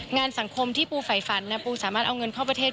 งานสังคมที่ปูไฝฝันปูสามารถเอาเงินเข้าประเทศ